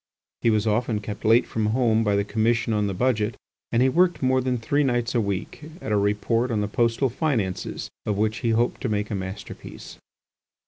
He was often kept late from home by the Commission on the Budget and he worked more than three nights a week at a report on the postal finances of which he hoped to make a masterpiece.